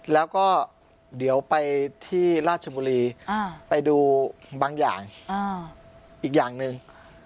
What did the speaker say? แล้วก็เดี๋ยวไปที่ราชบุรีไปดูบางอย่างอีกอย่างหนึ่ง